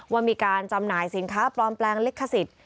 ว่ามีการจำหน่ายสินค้าปลอมแปลงลิขสิทธิ์